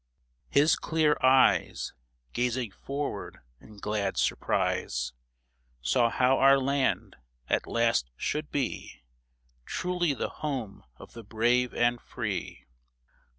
His clear eyes, Gazing forward in glad surprise, Saw how our land at last should be Truly the home of the brave and free